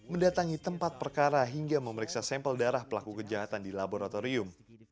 anda ingin mencari tempat perkara hingga memeriksa sampel darah pelaku kejahatan di laboratorium